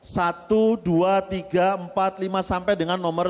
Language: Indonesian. satu dua tiga empat lima sampai dengan nomor satu